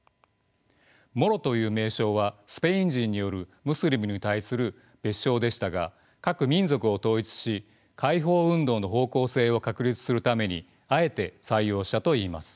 モロという名称はスペイン人によるムスリムに対する蔑称でしたが各民族を統一し解放運動の方向性を確立するためにあえて採用したといいます。